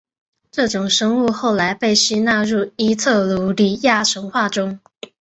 这种生物后来被吸纳入伊特鲁里亚神话中。